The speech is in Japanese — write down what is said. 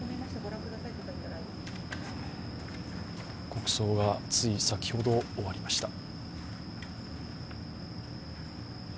国葬がつい先ほど終わりました。